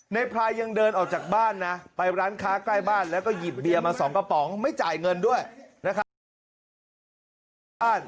พลายยังเดินออกจากบ้านนะไปร้านค้าใกล้บ้านแล้วก็หยิบเบียร์มาสองกระป๋องไม่จ่ายเงินด้วยนะครับ